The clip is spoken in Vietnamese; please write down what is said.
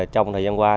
trong thời gian qua